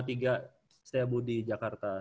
setiap bu di jakarta